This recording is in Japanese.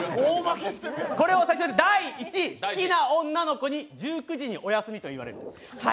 これを差し置いて第１位、好きな女の子に１９時におやすみと言われる。